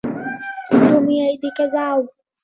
তুমি এই দিকে যাও।